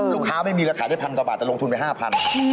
ลูกค้าไม่มีแล้วขายได้พันกว่าบาทแต่ลงทุนไป๕๐๐๐บาท